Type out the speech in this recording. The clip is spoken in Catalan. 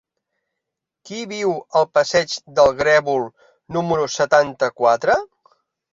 Qui viu al passeig del Grèvol número setanta-quatre?